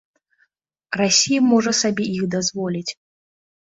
Расія можа сабе іх дазволіць.